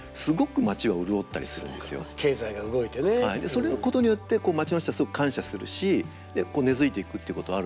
そのことによって町の人はすごく感謝するし根づいていくっていうことはあると思うんで。